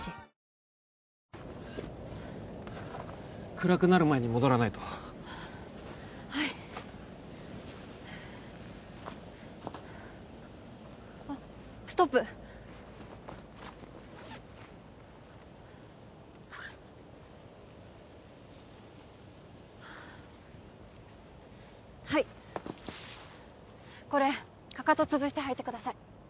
暗くなる前に戻らないとはいあっストップはいこれかかとつぶして履いてください